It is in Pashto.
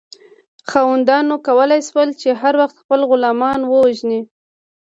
خاوندانو کولی شول چې هر وخت خپل غلامان ووژني.